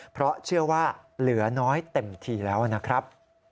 เพราะเชื่อว่าเหลือน้อยเต็มทีแล้วนะครับ